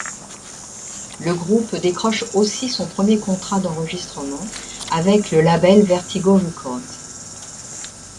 Le groupe décroche aussi son premier contrat d'enregistrement avec le label Vertigo Records.